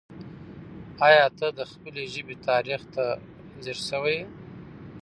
آیا ته د خپلې ژبې تاریخ ته ځیر سوی یې؟